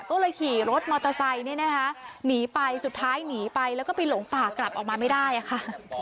ก็เลยขี่รถมอเตอร์ไซค์เนี่ยนะคะหนีไปสุดท้ายหนีไปแล้วก็ไปหลงป่ากลับออกมาไม่ได้ค่ะ